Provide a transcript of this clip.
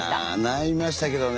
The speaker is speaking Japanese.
悩みましたけどね